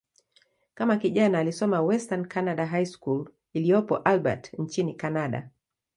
Kama kijana, alisoma "Western Canada High School" iliyopo Albert, nchini Kanada.